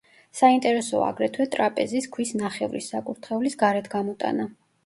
საინტერესოა აგრეთვე ტრაპეზის ქვის ნახევრის საკურთხევლის გარეთ გამოტანა.